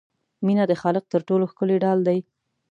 مینه د خالق تر ټولو ښکلی ډال دی.